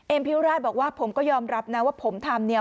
พิวราชบอกว่าผมก็ยอมรับนะว่าผมทำเนี่ย